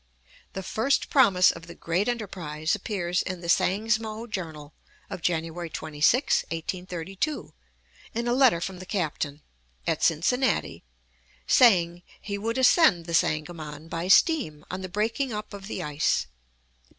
The first promise of the great enterprise appears in the "Sangsmo Journal" of January 26, 1832, in a letter from the Captain, at Cincinnati, saying he would ascend the Sangamon by steam on the breaking up of the ice.